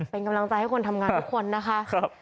เป็นกำลังใจให้คนทำงานทุกคนนะคะ